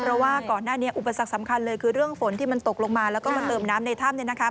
เพราะว่าก่อนหน้านี้อุปสรรคสำคัญเลยคือเรื่องฝนที่มันตกลงมาแล้วก็มาเติมน้ำในถ้ำเนี่ยนะคะ